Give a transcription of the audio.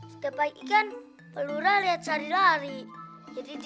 sebaik ikan palura lihat shari lari jadi dia yakin kalau shari itu